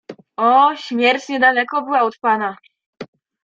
"O, śmierć niedaleko była od pana."